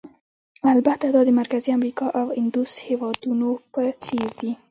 البته دا د مرکزي امریکا او اندوس هېوادونو په څېر دي.